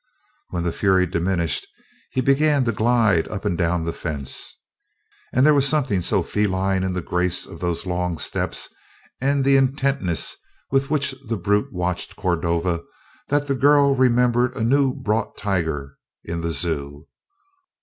When the fury diminished he began to glide up and down the fence, and there was something so feline in the grace of those long steps and the intentness with which the brute watched Cordova that the girl remembered a new brought tiger in the zoo.